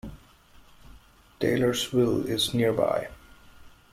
Taylorsville is nearby.